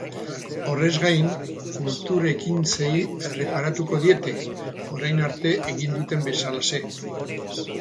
Horrez gain, kultur ekintzei erreparatuko diete, orain arte egin duten bezalaxe.